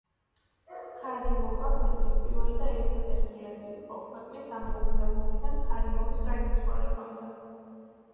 ქარიმოვა ქვეყნის პირველი და ერთადერთი ლედი იყო ქვეყნის დამოუკიდებლობიდან ქარიმოვის გარდაცვალებამდე.